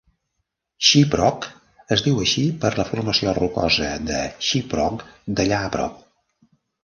Shiprock es diu així per la formació rocosa de Shiprock d'allà a prop.